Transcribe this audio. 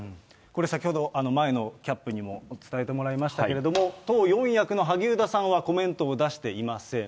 これ、先ほど、前野キャップにも伝えてもらいましたけれども、党四役の萩生田さんはコメントを出していません。